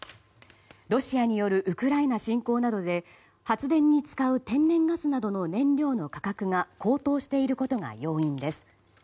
ロシアによるウクライナ侵攻などで発電に使う天然ガスなどの燃料の価格が高騰していることが要因です。